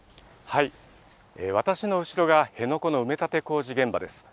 私の後ろが、辺野古の埋め立て工事現場です。